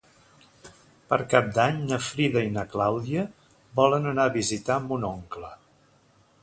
Per Cap d'Any na Frida i na Clàudia volen anar a visitar mon oncle.